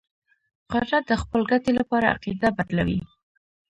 قدرت د خپل ګټې لپاره عقیده بدلوي.